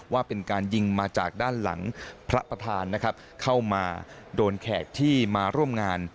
ว่าเป็นการยิงมาจากด้านหลังพระประธานนะครับเข้ามาโดนแขกที่มาร่วมงาน